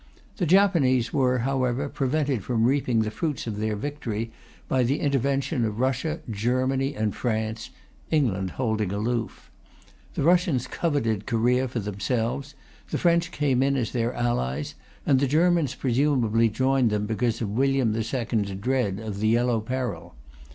The Japanese were, however, prevented from reaping the fruits of their victory by the intervention of Russia, Germany and France, England holding aloof. The Russians coveted Korea for themselves, the French came in as their allies, and the Germans presumably joined them because of William II's dread of the Yellow Peril.